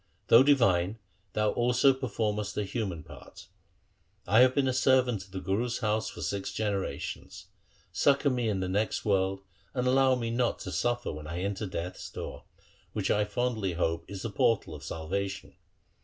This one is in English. Though divine, thou also performest a human part. I have been a servant of the Guru's house for six generations. Succour me in the next world, and allow me not to suffer when I enter death's door, which I fondly hope is the portal of salvation.